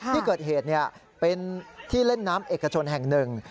ที่เกิดเหตุเป็นที่เล่นน้ำเอกชนแห่งหนึ่ง